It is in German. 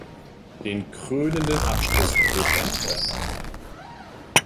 Den krönenden Abschluss bildet ein Feuerwerk.